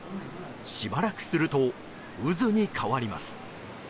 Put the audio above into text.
しばらくすると渦に変わります。